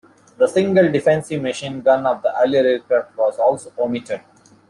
The single defensive machine gun of the earlier aircraft was also omitted.